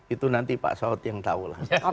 itu nanti pak saud yang tahu lah